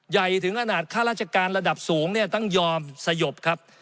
เย่ยถึงขนาดค่าราชการระดับสูงต้องยอมสยบครับ